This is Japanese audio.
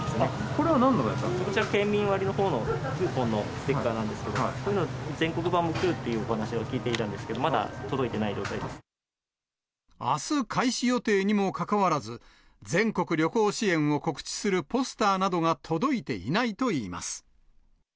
こちら、県民割のほうのクーポンのステッカーなんですけれども、こういうの、全国版も来るというお話を聞いていたんですけど、まだ届いていなあす開始予定にもかかわらず、全国旅行支援を告知するポスターなどが届いていないといいます。